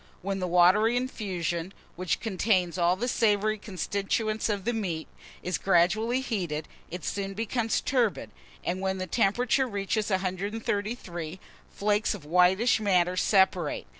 When the watery infusion, which contains all the savoury constituents of the meat, is gradually heated, it soon becomes turbid; and, when the temperature reaches 133°, flakes of whitish matter separate.